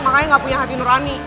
makanya gak punya hati nurani